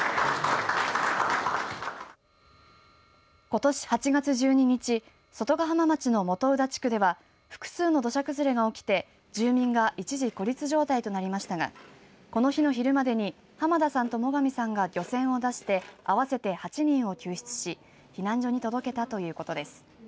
ことし８月１２日外ヶ浜町の元宇田地区では複数の土砂崩れが起きて住民が一時孤立状態となりましたがこの日の昼までに濱田さんと最上さんが漁船を出して合わせて８人を救出し避難所に届けたということです。